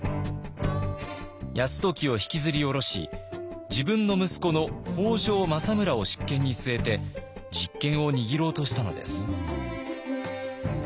泰時を引きずり降ろし自分の息子の北条政村を執権に据えて実権を握ろうとしたのです。